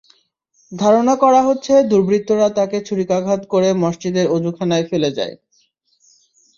ধারণা করা হচ্ছে দুর্বৃত্তরা তাঁকে ছুরিকাঘাত করে মসজিদের অজুখানায় ফেলে যায়।